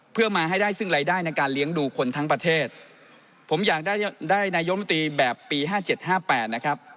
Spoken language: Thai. เพื่อมาให้ได้ซึ่งรายได้ในการเลี้ยงดูคนทั้งประเทศผมอยากได้นายมนตรีแบบปีห้าเจ็ดห้าแปดนะครับ